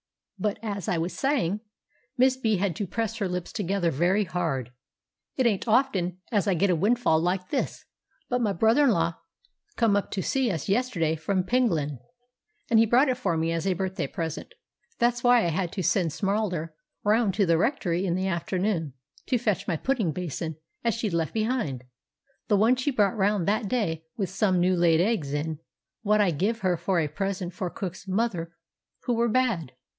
But as I was saying" (Miss B. had to press her lips together very hard), "it ain't often as I get a windfall like this, but my brother in law come up to see us yesterday from Penglyn, and he brought it me for a birthday present; that's why I had to send 'Sm'ralder round to the rectory in the afternoon to fetch my pudding basin as she'd left behind—the one she brought round that day with some new laid eggs in, what I give her for a present for cook's mother who were bad."